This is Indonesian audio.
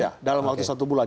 ya dalam waktu satu bulan